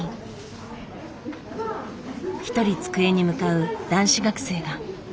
一人机に向かう男子学生が。